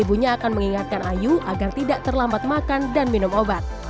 ibunya akan mengingatkan ayu agar tidak terlambat makan dan minum obat